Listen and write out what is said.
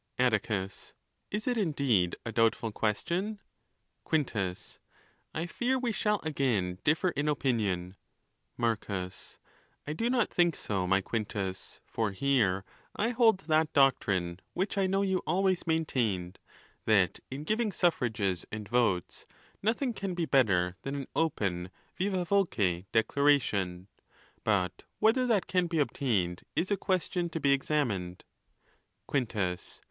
Atticus.—Is it indeed a doubtful question ? Quintus.—I fear we shall again differ in opinion. | Marcus.—I do not think so, my Quintus; for here I hold that doctrine, which I know you always maintained, that in giving suffrages and votes, nothing can be better than an open vivd voce declaration. But whether that can be obtained is a question to be examined. Quintus.